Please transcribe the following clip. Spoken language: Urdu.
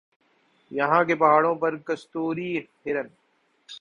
یہاں کے پہاڑوں پر کستوری ہرن